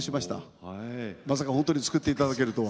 まさか本当に作っていただけるとは。